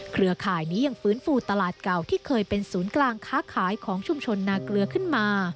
เครือข่ายนี้ยังฟื้นฟูตลาดเก่าที่เคยเป็นศูนย์กลางค้าขายของชุมชนนาเกลือขึ้นมา